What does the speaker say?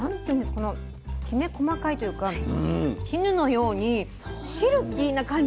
このきめ細かいというか絹のようにシルキーな感じ？